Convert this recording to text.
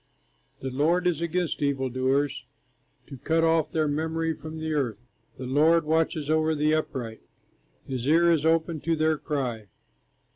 The Lord is against evil doers, To cut off their memory from the earth. The Lord watches over the upright, His ear is open to their cry.